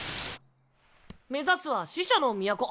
目指すは死者の都。